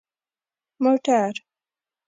🚘 موټر